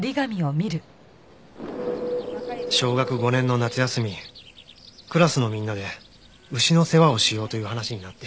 小学５年の夏休みクラスのみんなで牛の世話をしようという話になって。